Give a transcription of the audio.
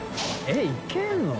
えっいけるの？